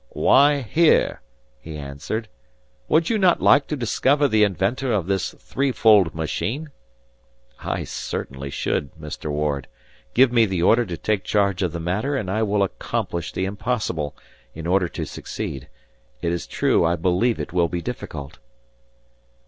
"Why, here," he answered. "Would not you like to discover the inventor of this three fold machine?" "I certainly should, Mr. Ward. Give me the order to take charge of the matter, and I will accomplish the impossible, in order to succeed. It is true, I believe it will be difficult."